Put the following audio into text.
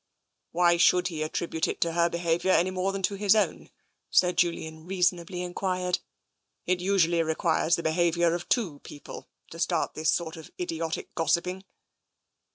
"Why should he attribute it to her behaviour any more than to his own?" Sir Julian reasonably en quired. " It usually requires the behaviour of two people to start this sort of idiotic gossiping."